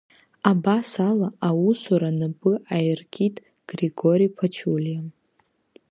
Абасала аусура напы аиркит Григори Ԥачулиа.